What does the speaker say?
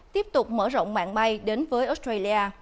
tiếp tục mở rộng mạng bay đến với australia